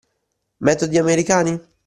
Metodi americani?